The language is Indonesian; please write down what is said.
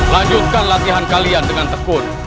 lanjutkan latihan kalian dengan tekun